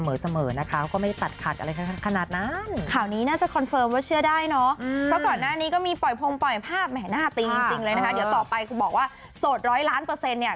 ภาพแหม่หน้าตีจริงเลยนะครับเดี๋ยวต่อไปกูบอกว่าโสดร้อยล้านเปอร์เซ็นต์เนี่ย